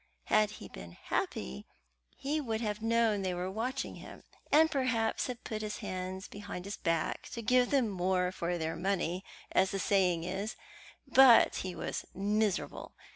Had he been happy he would have known that they were watching him, and perhaps have put his hands behind his back to give them more for their money, as the saying is; but he was miserable.